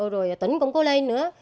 rồi tỉnh cũng có lên nữa